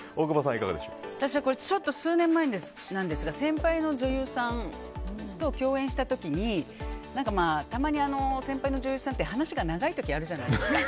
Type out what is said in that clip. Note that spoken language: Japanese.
数年前なんですが先輩の女優さんと共演した時にたまに先輩の女優さんって話が長い時あるじゃないですか。